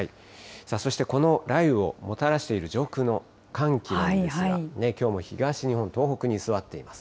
さあ、そしてこの雷雨をもたらしている上空の寒気なんですが、きょうも東日本、東北に居座っています。